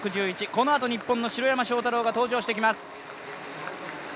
このあと日本の城山正太郎が登場してきます。